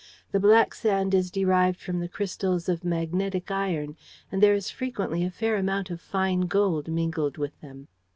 The black sand is derived from the crystals of magnetic iron, and there is frequently a fair amount of fine gold mingled with them.